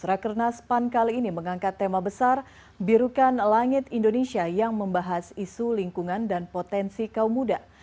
rakernas pan kali ini mengangkat tema besar birukan langit indonesia yang membahas isu lingkungan dan potensi kaum muda